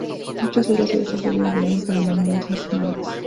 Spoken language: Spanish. Muchas obras suyas han servido de guion para numerosos "mangas".